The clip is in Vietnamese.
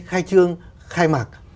khai trương khai mặt